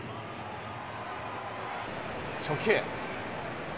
初球。